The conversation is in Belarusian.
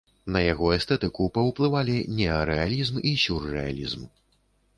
На яго эстэтыку паўплывалі неарэалізм і сюррэалізм.